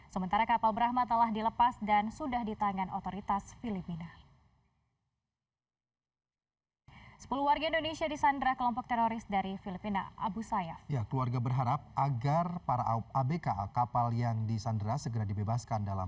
sementara kapal brahma telah dilepas dan sudah ditangan otoritas filipina